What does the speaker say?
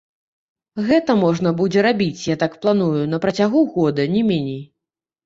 Гэта можна будзе рабіць, я так планую, на працягу года, не меней.